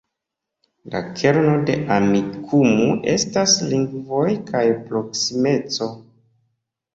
La kerno de Amikumu estas lingvoj kaj proksimeco.